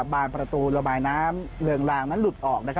บานประตูระบายน้ำเริงลางนั้นหลุดออก